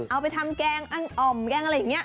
เอาไปทำแกงอังอ่อมแกงอะไรอย่างนี้